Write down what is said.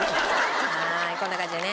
はーいこんな感じでね。